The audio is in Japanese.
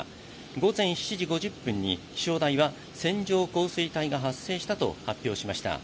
午前７時５０分に、気象台は線状降水帯が発生したと発表しました。